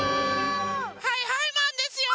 はいはいマンですよ！